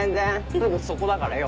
すぐそこだからよ。